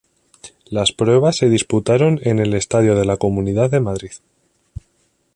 Las pruebas se disputaron en el Estadio de la Comunidad de Madrid.